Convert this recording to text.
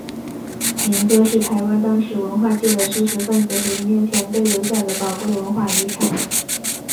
民歌是台湾当时文化界的知识份子和音乐前辈留下的宝贵的文化遗产。